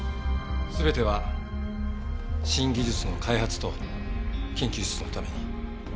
全ては新技術の開発と研究室のために。